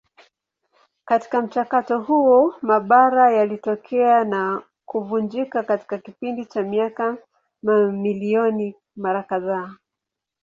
Katika mchakato huo mabara yalitokea na kuvunjika katika kipindi cha miaka mamilioni mara kadhaa.